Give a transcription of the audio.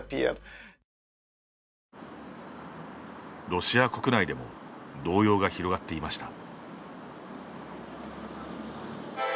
ロシア国内でも動揺が広がっていました。